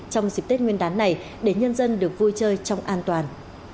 trong dịp tết nguyên đán này để nhân dân được vui chơi trong an toàn